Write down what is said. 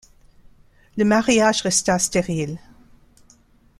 Le mariage resta stérile.